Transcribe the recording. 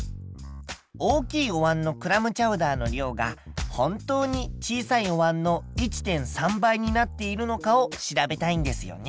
大きいおわんのクラムチャウダーの量が本当に小さいおわんの１．３倍になっているのかを調べたいんですよね。